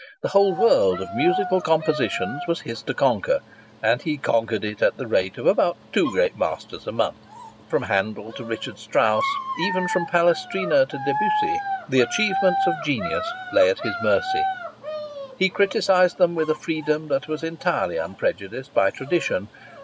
The whole world of musical compositions was his to conquer, and he conquered it at the rate of about two great masters a month. From Handel to Richard Strauss, even from Palestrina to Debussy, the achievements of genius lay at his mercy. He criticized them with a freedom that was entirely unprejudiced by tradition.